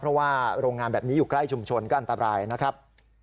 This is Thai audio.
เพราะว่าโรงงานแบบนี้อยู่ใกล้ชุมชนก็อันตรายนะครับ